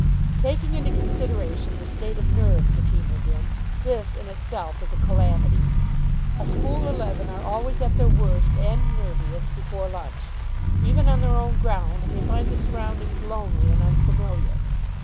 Taking into consideration the state of nerves the team was in, this in itself was a calamity. A school eleven are always at their worst and nerviest before lunch. Even on their own ground they find the surroundings lonely and unfamiliar.